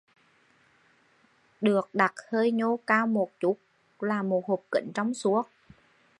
Được đặt hơi nhô cao một chút là một hộp kính trong suốt